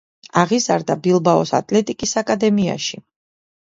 აღიზარდა ბილბაოს „ატლეტიკის“ აკადემიაში.